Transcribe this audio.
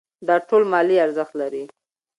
دا ټول مالي ارزښت لري.